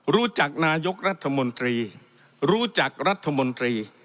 รู้จักนายกรัฐมนตรีรู้จักรัฐมนตรี